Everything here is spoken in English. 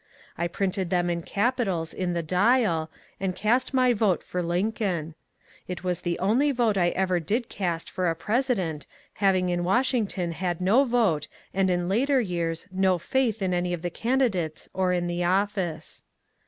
I printed them in capitals in the ^^ Dial," and cast, my vote for Lincoln. It was the only vote I ever did cast for a president, having in Washington had no vote and in later years no faith in any of the candidates or in the office.